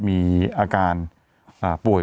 มีอาการอ่าป่วย